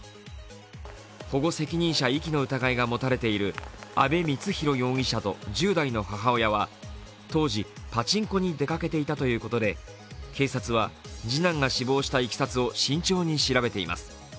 保護責任者遺棄の疑いがもたれている阿部光浩容疑者と１０代の母親は当時、パチンコに出かけていたということで、警察は次男が死亡したいきさつを慎重に調べています。